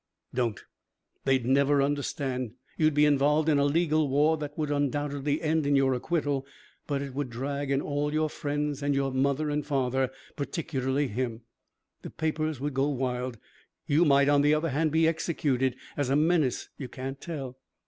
"Don't. They'd never understand. You'd be involved in a legal war that would undoubtedly end in your acquittal. But it would drag in all your friends and your mother and father particularly him. The papers would go wild. You might, on the other hand, be executed as a menace. You can't tell."